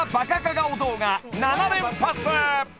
顔動画７連発